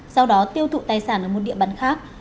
sau đó tiêu thụ tài sản ở một địa bàn khác